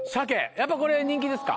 やっぱこれ人気ですか？